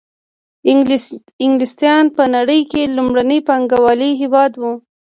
انګلستان په نړۍ کې لومړنی پانګوالي هېواد وو